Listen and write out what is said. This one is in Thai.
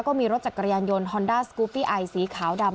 ก็มีรถจักรยานยนต์ฮอนดาสกูปปี้ไอสีขาวดำ